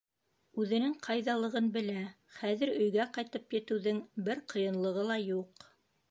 Үҙенең ҡайҙалығын белә, хәҙер өйгә ҡайтып етеүҙең бер ҡыйынлығы ла юҡ.